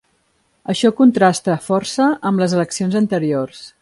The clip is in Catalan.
Això contrasta força amb les eleccions anteriors.